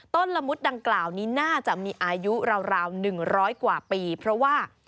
ละมุดดังกล่าวนี้น่าจะมีอายุราว๑๐๐กว่าปีเพราะว่า